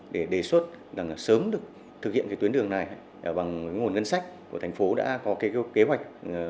để đề xuất sớm được thực hiện cái tuyến đường này bằng nguồn ngân sách của thành phố đã có cái kế hoạch